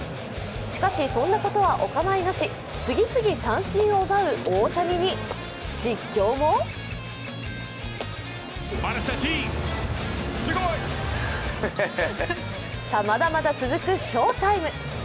しかし、そんなことはお構いなし次々、三振を奪う大谷に、実況もまだまだ続く翔タイム。